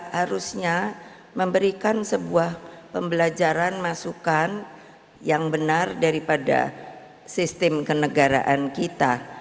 harusnya memberikan sebuah pembelajaran masukan yang benar daripada sistem kenegaraan kita